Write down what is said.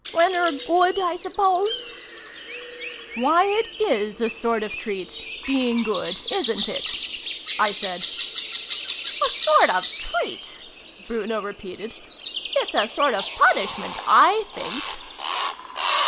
"When oo're ^wdf, I suppose ?"" Why, it is a sort of treat, being good, isn't it ?" I said. "A sort of treat !" Bruno repeated. " It's a sort of punishment, I think